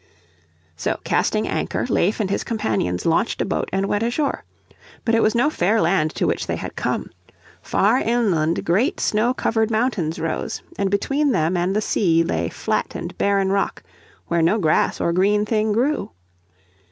So, casting anchor, Leif and his companions launched a boat and went ashore. But it was no fair land to which they had come. Far inland great snow covered mountains rose, and between them and the sea lay flat and barren rock, where no grass or green thing grew.